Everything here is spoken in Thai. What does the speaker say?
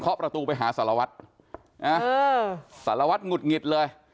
ว่าผมขอท่าสารวัฒน์จำนึงครับ